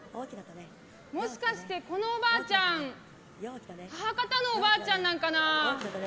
もしかして、このおばあちゃん母方のおばあちゃんなんかな。